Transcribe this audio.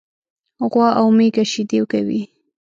غوا او میږه شيدي کوي.